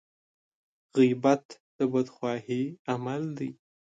غيبت د بدخواهي عمل دی.